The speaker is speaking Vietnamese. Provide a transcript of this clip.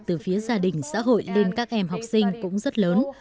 vì áp lực từ phía gia đình xã hội lên các em học sinh cũng rất lớn